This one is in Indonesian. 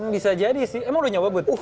bisa jadi sih emang lu nyoba bud